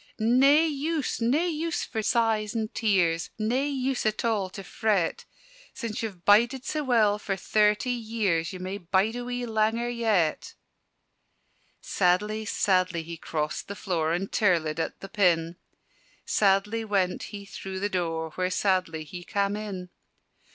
"Nae use, nae use for sighs and tears: Nae use at all to fret: Sin' ye've bided sae well for thirty years, Ye may bide a wee langer yet!" Sadly, sadly he crossed the floor And tirlëd at the pin: Sadly went he through the door Where sadly he cam' in.